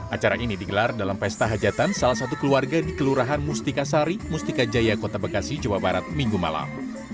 acara ini digelar dalam pesta hajatan salah satu keluarga di kelurahan mustika sari mustika jaya kota bekasi jawa barat minggu malam